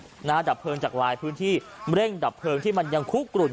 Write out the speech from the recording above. ส่งเพลินมาดับเพลินจากวายพื้นที่เร่งดับเพลินที่มันยังคุกกลุ่น